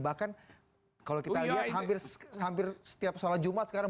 bahkan kalau kita lihat hampir setiap sholat jumat sekarang